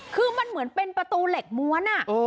คือมันเหมือนเป็นประตูเหล็กม้วน